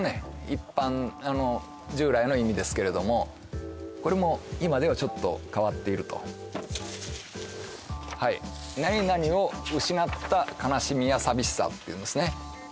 一般従来の意味ですけれどもこれも今ではちょっと変わっていると「○○を失った悲しみやさびしさ」っていうんですね